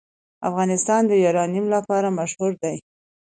افغانستان د یورانیم لپاره مشهور دی.